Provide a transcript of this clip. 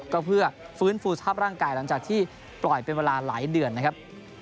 ก็เพื่อฟื้นฟูสภาพร่างกายหลังจากที่ปล่อยเป็นเวลาหลายเดือนนะครับ